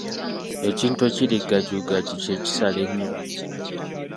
Ekintu ekiri gajugaju ky'ekisala nnyo.